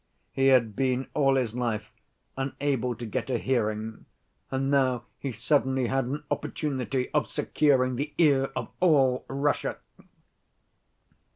He had been all his life unable to get a hearing, and now he suddenly had an opportunity of securing the ear of all Russia.